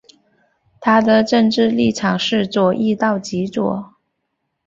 它的政治立场是左翼到极左。